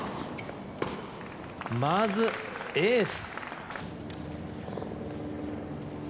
まずエース。